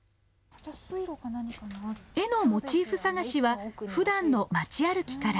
絵のモチーフ探しはふだんの町歩きから。